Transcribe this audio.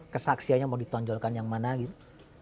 kesaksiannya mau ditonjolkan yang mana gitu